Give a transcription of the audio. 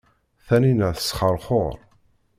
Taninna tesxerxur.